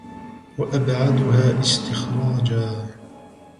وَأَبْعَدُهَا اسْتِخْرَاجًا